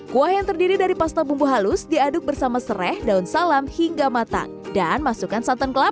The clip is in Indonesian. kuah yang terdiri dari pasta bumbu halus diaduk bersama serai daun salam hingga matang dan masukkan santan kelapa